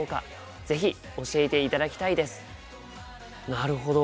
なるほど。